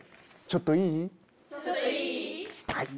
ちょっといい？